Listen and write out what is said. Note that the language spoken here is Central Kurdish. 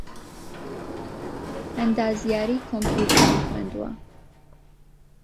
ئەندازیاریی کۆمپیوتەرم خۆیندووە